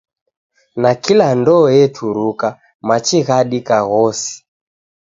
Nakila ndoo eturuka, machi ghadika ghose.